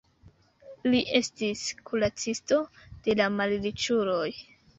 Li estis kuracisto de la malriĉuloj.